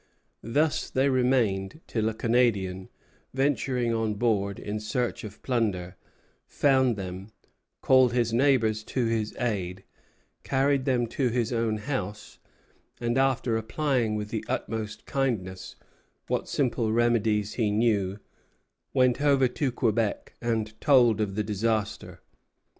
Thus they remained till a Canadian, venturing on board in search of plunder, found them, called his neighbors to his aid, carried them to his own house, and after applying, with the utmost kindness, what simple remedies he knew, went over to Quebec and told of the disaster.